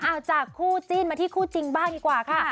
เอาจากคู่จิ้นมาที่คู่จริงบ้างดีกว่าค่ะ